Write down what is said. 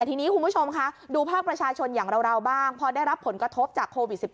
ทีนี้คุณผู้ชมคะดูภาคประชาชนอย่างเราบ้างพอได้รับผลกระทบจากโควิด๑๙